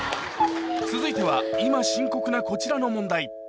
続いては今深刻なこちらの問題